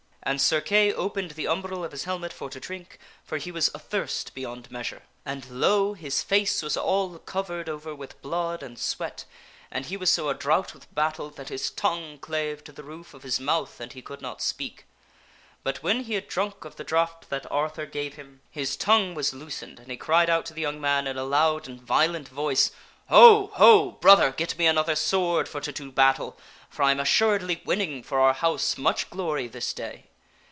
And Sir Kay opened the um bril of his helmet for to drink, for he was athirst beyond measure. And, lo ! his face was all covered over with blood and sweat, and he was so a drought with battle that his tongue clave to the roof of his mouth and he could not speak. But when he had drunk of the draught that Arthur gave him, his tongue was loosened and he cried out to the young man * n a ^ ouc * anc * v ^^ ent v i ce :" ^o ! ho ! Brother, get me Sir Ka bids Arthur get him another sword for to do battle, for I am assuredly winning for a sword. Qur house much glory this day